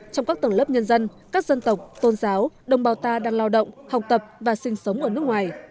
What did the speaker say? trong các tầng lớp nhân dân các dân tộc tôn giáo đồng bào ta đang lao động học tập và sinh sống ở nước ngoài